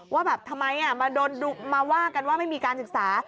ว่าแบบทำไมมาว่ากันว่าไม่มีการศึกษา